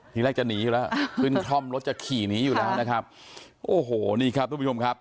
ทีแรกจะหนีอยู่แล้วขึ้นคล่อมรถจะขี่หนีอยู่แล้วนะครับโอ้โหนี่ครับทุกผู้ชมครับ